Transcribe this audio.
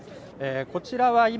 こちらは今、